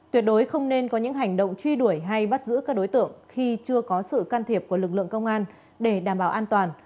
tuyệt đối không nên có những hành động truy đuổi hay bắt giữ các đối tượng khi chưa có sự can thiệp của lực lượng công an để đảm bảo an toàn